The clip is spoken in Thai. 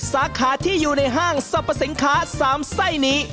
สาขาที่อยู่ในห้างสรรพสินค้า๓ไส้นี้